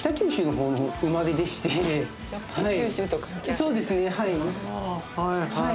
そうですねはい。